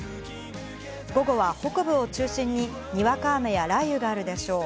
午後は北部を中心に、にわか雨や雷雨があるでしょう。